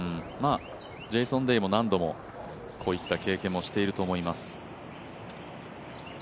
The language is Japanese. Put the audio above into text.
ジェイソン・デイも何度もこういった経験をしていると思います。